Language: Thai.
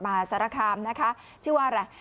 มหาสารคามนะคะชื่อว่าอะไร